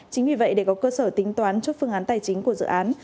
chính vì vậy để có cơ sở tính toán trước phương án tài chính của dự án